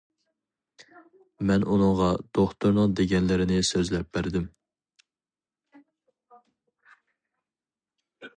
مەن ئۇنىڭغا دوختۇرنىڭ دېگەنلىرىنى سۆزلەپ بەردىم.